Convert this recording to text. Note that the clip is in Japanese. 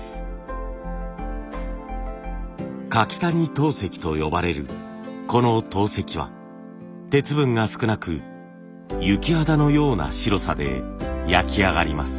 柿谷陶石と呼ばれるこの陶石は鉄分が少なく雪肌のような白さで焼き上がります。